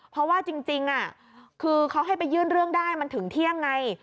เพราะว่าจริงคือเขาให้ไปยื่นเรื่องได้มันถึงเที่ยงไง